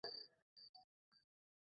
তিনি অন্যতম বিবেচিত হন।